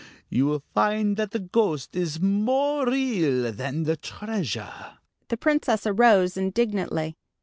You will find that the ghost is more real than the treasure." The Princess arose indignantly.